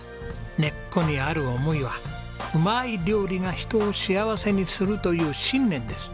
根っこにある思いはうまい料理が人を幸せにするという信念です。